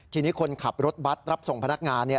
ทีนี้คนขับรถบัตรรับส่งพนักงานเนี่ย